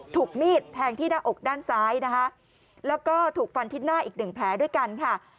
ถูกมีดแทงที่หน้าอกด้านซ้ายนะคะแล้วก็ถูกฟันทิศหน้าอีกหนึ่งแผลด้วยกันค่ะ